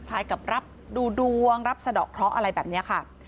กับรับดูดวงรับสะดอกเคราะห์อะไรแบบนี้ค่ะ